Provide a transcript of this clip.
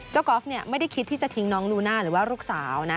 กอล์ฟไม่ได้คิดที่จะทิ้งน้องลูน่าหรือว่าลูกสาวนะ